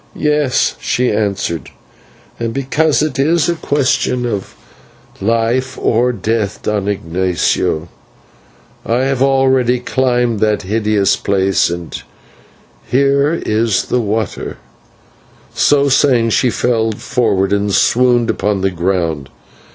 "Yes," she answered, "and because it is a question of life or death, Don Ignatio, I have already climbed that hideous place, and here is the water" and she fell forward and swooned upon the ground.